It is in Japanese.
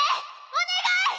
お願い！